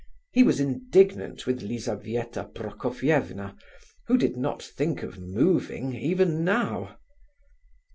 He was indignant with Lizabetha Prokofievna, who did not think of moving even now.